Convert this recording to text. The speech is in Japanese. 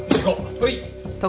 はい！